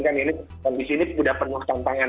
kondisi ini sudah penuh tantangan